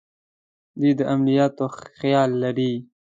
دوی د عملیاتو خیال لري.